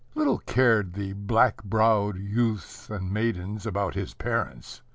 Little cared the black browed youths and maidens about his parents.